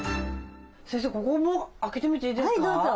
先生ここも開けてみていいですか？